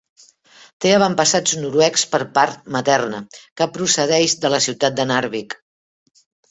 Té avantpassats noruecs per part materna, que procedeix de la ciutat de Narvik.